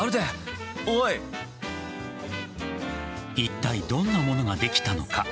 いったいどんなものができたのか。